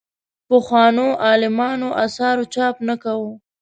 پخوانو عالمانو اثارو چاپ نه کوو.